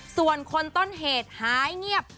ส่วนคนต้นเหตุหายเงียบ